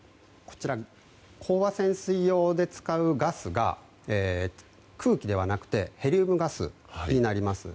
飽和潜水用で使うガスが空気ではなくてヘリウムガスになります。